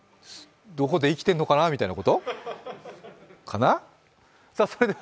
どこで生きてのかなみたいなこと？かな？